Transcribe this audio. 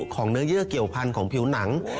ของเนื้อเยื่อเกี่ยวพันธุ์ของผิวหนัง